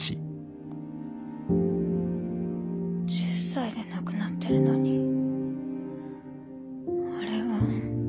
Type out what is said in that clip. １０才で亡くなってるのにあれは。